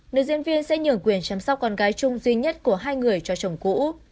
nữ diễn viên sẽ nhường quyền chăm sóc con gái chung duy nhất của hai người cho chồng cũ